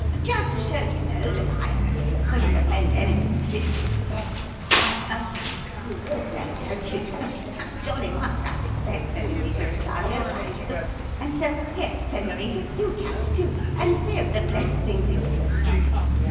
"Just to show, you know, that I er couldn't have meant anything disrespectful, why er you all know, don't you know, how jolly much I respect Señorita Rosario, by Jove! and so Here, señorita, you catch, too, and see if the blessed thing's yours."